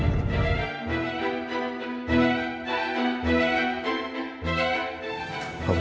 assalamualaikum warahmatullahi wabarakatuh